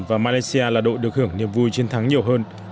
và malaysia là đội được hưởng niềm vui chiến thắng nhiều hơn